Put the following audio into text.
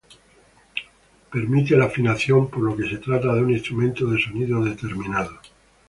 Permite la afinación, por lo que se trata de un instrumento de sonido determinado.